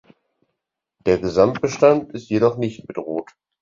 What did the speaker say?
Der Gesamtbestand ist jedoch nicht bedroht.